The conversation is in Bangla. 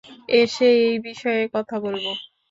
এসে, এই বিষয়ে কথা বলব।